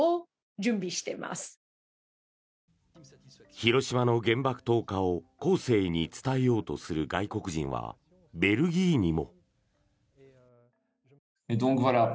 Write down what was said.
広島の原爆投下を後世に伝えようとする外国人はベルギーにも。